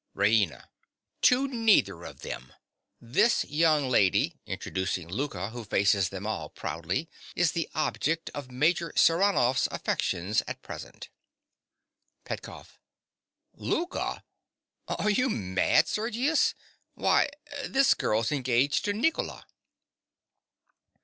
RAINA. To neither of them. This young lady (introducing Louka, who faces them all proudly) is the object of Major Saranoff's affections at present. PETKOFF. Louka! Are you mad, Sergius? Why, this girl's engaged to Nicola.